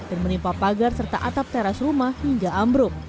dan menimpa pagar serta atap teras rumah hingga ambrum